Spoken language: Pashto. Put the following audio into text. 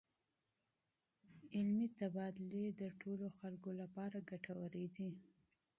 علمي تبادلې د ټولو خلکو لپاره ګټورې دي.